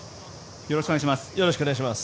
よろしくお願いします。